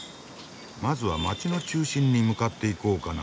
まずは街の中心に向かっていこうかな。